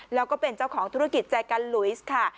แล้วก็เป็นเจ้าของธุรกิจใจกันลุยสค่ะ